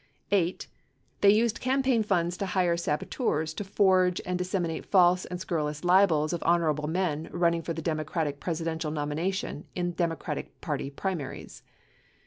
8. They used campaign funds to hire saboteurs to forge, and dis seminate false and scurrilous libels of honorable men running for the Democratic Presidential nomination in Democratic Party primaries.